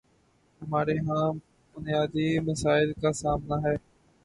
ہمارے ہاں بنیادی مسائل کا سامنا ہے۔